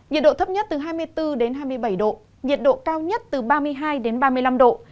nhiệt độ thấp nhất từ hai mươi bốn đến hai mươi bảy độ nhiệt độ cao nhất từ ba mươi hai đến ba mươi năm độ